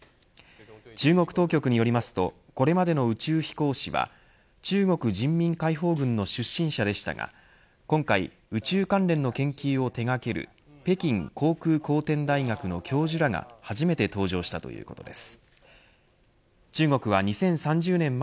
中国当局によりますとこれまでの宇宙飛行士は中国人民解放軍の出身者でしたが今回宇宙関連の研究を手掛ける北京航空航天大学の教授らが初めて搭乗したということです。